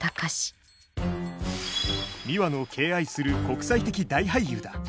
ミワの敬愛する国際的大俳優だ。